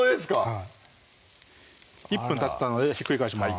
はい１分たったのでひっくり返します